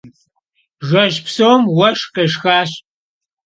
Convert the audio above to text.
Jjeş psom vueşşx khêşşxaş.